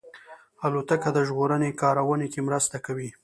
الوتکه د ژغورنې کارونو کې مرسته کوي.